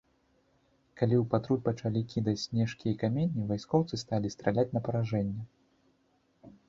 Калі ў патруль пачалі кідаць снежкі і каменні, вайскоўцы сталі страляць на паражэнне.